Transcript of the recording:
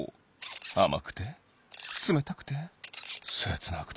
あまくてつめたくてせつなくて！